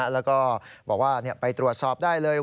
แล้วก็บอกว่าไปตรวจสอบได้เลย